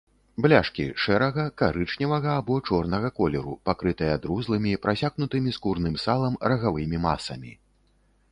Бляшкі шэрага, карычневага або чорнага колеру, пакрытыя друзлымі, прасякнутымі скурным салам, рагавымі масамі.